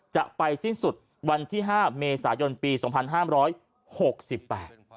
จะไปสิ้นสุดวันที่ห้าเมษายนปีสองพันห้ามร้อยหกสิบแปด